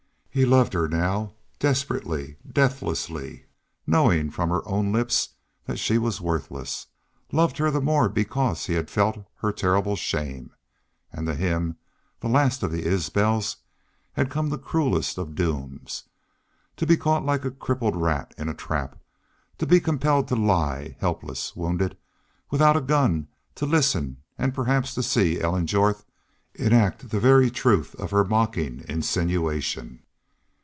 He loved her now, desperately, deathlessly, knowing from her own lips that she was worthless loved her the more because he had felt her terrible shame. And to him the last of the Isbels had come the cruelest of dooms to be caught like a crippled rat in a trap; to be compelled to lie helpless, wounded, without a gun; to listen, and perhaps to see Ellen Jorth enact the very truth of her mocking insinuation.